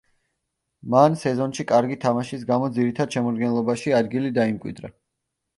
მან სეზონში კარგი თამაშის გამო ძირითად შემადგენლობაში ადგილი დაიმკვიდრა.